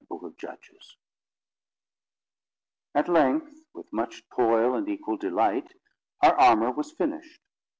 The Book of Judges. At length, with much toil and equal delight, our armour was finished.